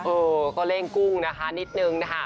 เออก็เร่งกุ้งนะคะนิดนึงนะคะ